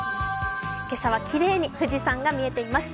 今朝は、きれいに富士山が見えています。